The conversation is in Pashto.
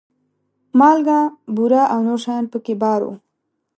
مالګه، بوره او نور شیان په کې بار وو.